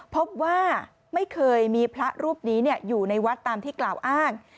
พบว่าไม่เคยมีพระรูปนี้อยู่ในวัดตามที่กล่าวอ้าง